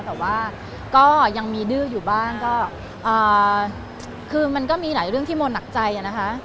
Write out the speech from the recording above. แต่ว่าก็ยังมีดื้ออยู่บ้างก็คือมันก็มีหลายเรื่องที่โมหนักใจนะคะ